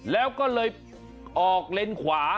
แล้วก็เลยออกเลนขวา